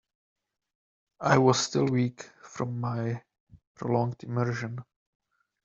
I was still weak from my prolonged immersion.